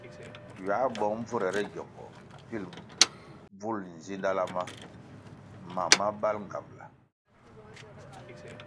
Ywā bong bvurere gyombo pil bvul nzidala ma mam ma bal ngambʼla.